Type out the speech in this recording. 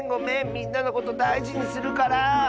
みんなのことだいじにするから！